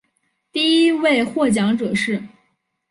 第一位获奖者是。